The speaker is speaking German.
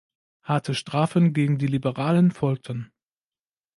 Harte Strafen gegen die Liberalen folgten.